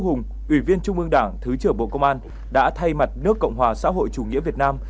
thủ tướng lê quốc hùng ủy viên trung ương đảng thứ trưởng bộ công an đã thay mặt nước cộng hòa xã hội chủ nghĩa việt nam